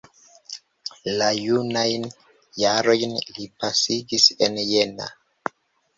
La junajn jarojn li pasigis en Jena.